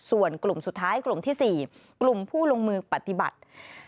ส่วนกลุ่มสุดท้ายกลุ่มที่๔กลุ่มผู้ลงมือปฏิบัติ